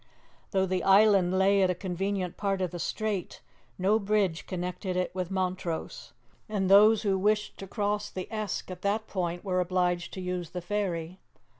Though the island lay at a convenient part of the strait, no bridge connected it with Montrose, and those who wished to cross the Esk at that point were obliged to use the ferry.